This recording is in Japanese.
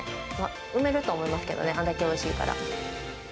生めると思いますけどね、あれだけおいしいから。